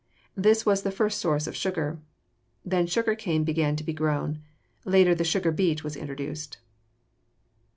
This was the first source of sugar. Then sugar cane began to be grown. Later the sugar beet was introduced.